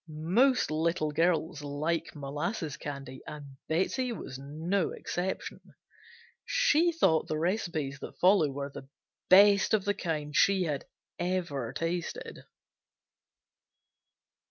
Most little girls like molasses candy and Betsey was no exception; she thought the recipes that follow were the best of the kind she had ever tasted.